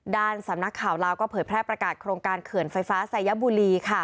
สำนักข่าวลาวก็เผยแพร่ประกาศโครงการเขื่อนไฟฟ้าสายบุรี